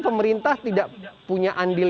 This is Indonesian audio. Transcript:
pemerintah tidak punya andil